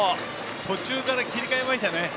途中から切り替えました。